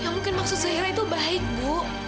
ya mungkin maksud zahira itu baik bu